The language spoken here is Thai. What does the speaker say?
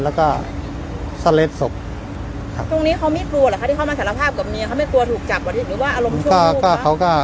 อย่าเกียรติภูกิหรือยัง